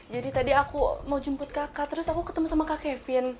jadi tadi aku mau jemput kakak terus aku ketemu sama kak kevin